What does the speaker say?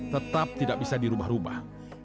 tetap tidak bisa dirubah rubah